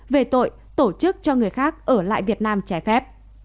về tội tổ chức cho người khác ở lại việt nam trái phép